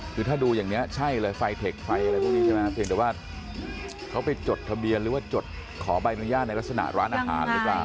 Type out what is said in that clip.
คือถ้าดูอย่างนี้ใช่เลยไฟเทคไฟอะไรพวกนี้ใช่ไหมเพียงแต่ว่าเขาไปจดทะเบียนหรือว่าจดขอใบอนุญาตในลักษณะร้านอาหารหรือเปล่า